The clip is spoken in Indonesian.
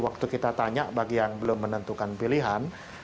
waktu kita tanya bagi yang belum menentukan pilihan